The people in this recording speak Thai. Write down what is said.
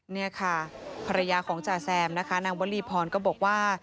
นี่ค่ะภรรยาของจ่าแซมนะคะนางวลีพรก็บอกว่า